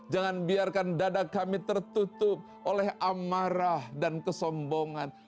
jangan biarkan dada kami tertutup oleh amarah dan kesombongan